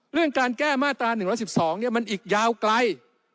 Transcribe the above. เรื่องการแก้มาตรา๑๑๒มันอีกยาวไกล